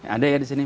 ada ya di sini pak